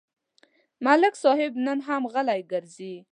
ملک صاحب نن هم غلی ګرځي.